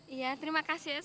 iya terima kasih ya sofya